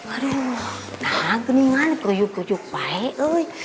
aduh nah cemilannya kuyuk kuyuk baik